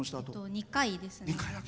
２回ですね。